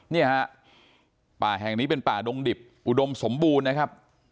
เนี่ยฮะป่าแห่งนี้เป็นป่าดงดิบอุดมสมบูรณ์นะครับ